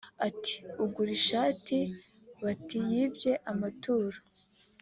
ati “Ugura ishati bati yibye amaturo